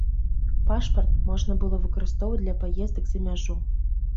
Пашпарт можна было выкарыстоўваць для паездак за мяжу.